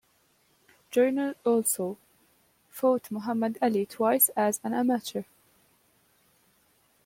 Joiner also fought Muhammad Ali twice as an amateur.